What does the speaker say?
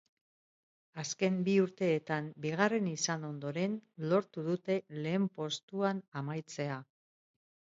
Azken bi urteetan bigarren izan ondoren lortu dute lehen postuan amaitzea.